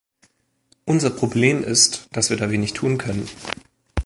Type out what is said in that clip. Unser Problem ist, dass wir da wenig tun können.